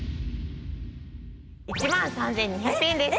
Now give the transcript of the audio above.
１万３２００円です。